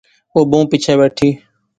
او بہوں پیچھے بیٹھی